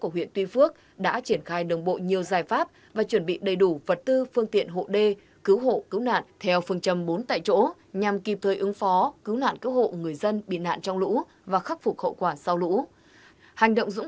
huyện tuy phước là một trong những địa bàn thuộc vùng dân